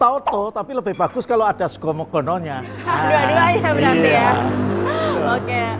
tauto pak tentu tauto tapi lebih bagus kalau ada sego menggononya dua duanya berarti ya oke